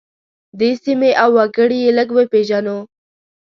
دې سیمې او وګړي یې لږ وپیژنو.